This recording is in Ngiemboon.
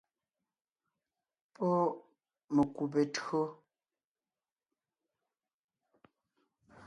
Pɔ́ mekùbe tÿǒ.